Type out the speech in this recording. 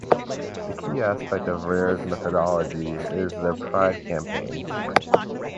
The key aspect of Rare's methodology is their "Pride Campaign's".